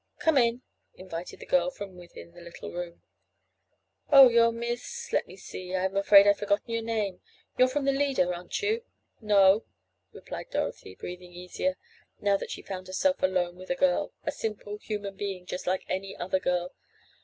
"Come in," invited the girl from within the little room. "Oh, you're Miss—let me see—I'm afraid I've forgotten your name—you're from the Leader, aren't you?" "No," replied Dorothy, breathing easier, now that she found herself alone with a girl—a simple human being just like any other girl.